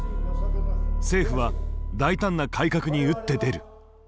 政府は大胆な改革に打って出る。